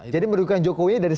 jadi merugikan jokowi